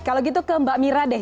kalau gitu ke mbak mira deh